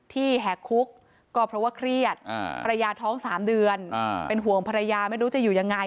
แหกคุกก็เพราะว่าเครียดภรรยาท้อง๓เดือนเป็นห่วงภรรยาไม่รู้จะอยู่ยังไง